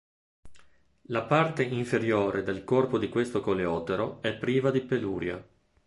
La parte inferiore del corpo di questo coleottero è priva de peluria.